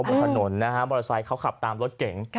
บนถนนนะฮะมอเตอร์ไซค์เขาขับตามรถเก๋ง